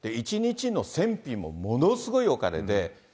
１日の戦費もものすごいお金で、